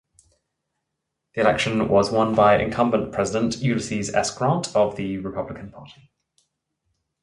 The election was won by incumbent President Ulysses S. Grant of the Republican Party.